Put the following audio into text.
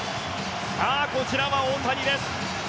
こちらは大谷です。